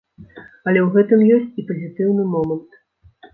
Але ў гэтым ёсць і пазітыўны момант.